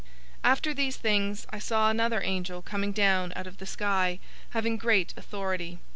018:001 After these things, I saw another angel coming down out of the sky, having great authority.